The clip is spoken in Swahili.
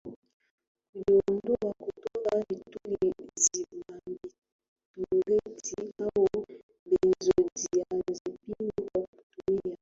kujiondoa kutoka vitulizibabitureti au benzodiazepini kwa kutumia